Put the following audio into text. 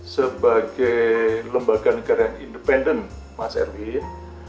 sebagai lembaga negara yang independen mas erwin